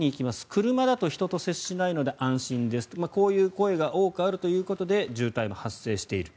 車だと人と接しないので安心ですとこういう声が多くあるということで渋滞も発生している。